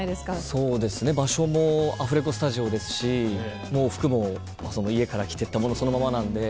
そうですね場所もアフレコスタジオですし服も家から着て行ったものそのままなんで。